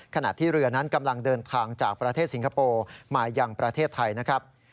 ขณะที่เรือนั้นกำลังเดินทางจากประเทศสิงคโปร์มายังประเทศไทยนะครับ